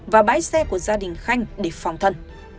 và bãi xe của gia đình khanh để phòng thân